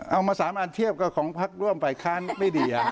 เอามา๓อันเทียบกับของพักร่วมฝ่ายค้านไม่ดี